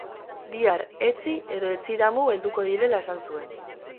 Bihar, etzi edo etzidamu helduko direla esan zuen.